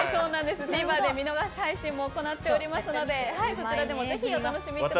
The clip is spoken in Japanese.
ＴＶｅｒで見逃し配信も行っておりますのでそちらでもぜひお楽しみください。